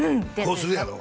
こうするやろ？